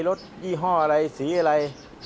ยี่ห้ออะไรสีอะไร